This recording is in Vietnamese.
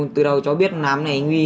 từ đầu cháu biết làm này